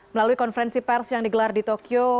melalui konferensi pers yang digelar di tokyo